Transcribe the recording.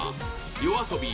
ＹＯＡＳＯＢＩ